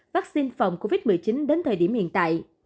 vaccine phòng covid một mươi chín đến thời điểm hiện tại